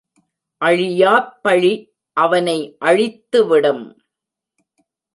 அழியாப் பழி அவனை அழித்துவிடும்.